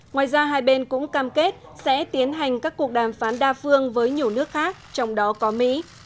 ngoài ra hai bên cũng cam kết sẽ tiến hành các cuộc đàm phán đa phương với nhiều nước khác trong đó có mỹ